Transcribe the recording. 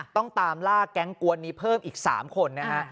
ต้องตามล่าแก๊งกวนนี้เพิ่มอีก๓คนนะฮะ